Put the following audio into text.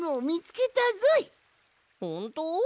ほんと？